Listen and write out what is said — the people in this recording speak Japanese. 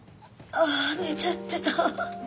ああ寝ちゃってた。